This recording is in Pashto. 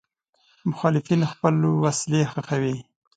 مخالفین خپل وسلې ښخوي.